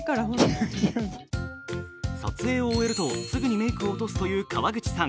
撮影を終えると、すぐメークを落とすという川口さん。